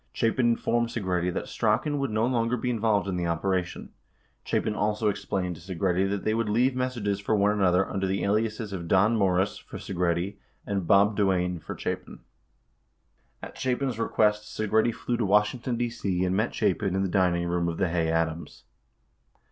Chapin informed Segretti that Strachan would no longer be involved in the operation. Chapin also explained to Segretti that they would leave messages for one another under the aliases of Don Morris (for Segretti) and Bob Duane (for Chapin.) 16 At Chapin's request, Segretti flew to Washington, D.C., and met Chapin in the dining room of the Hay Adams.